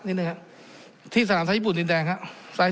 นิดหนึ่งครับที่สนามไทยญี่ปุ่นดินแดงครับ